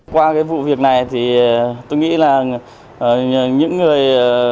qua cái vụ việc này thì tôi nghĩ là những người